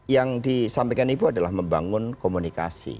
yang disampaikan ibu adalah membangun komunikasi